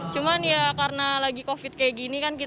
cuman ya karena lagi covid kayak gini kan